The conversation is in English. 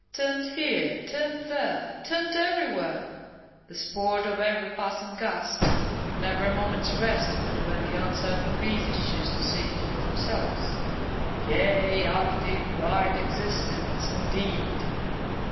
Turned here, turned there, turned everywhere. The sport of every passing gust. Never a moment's rest, but when the uncertain breezes choose to seek it for themselves. Gay, active, bright existence, indeed!